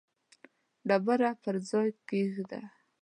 ډبره پر ځای کښېږده.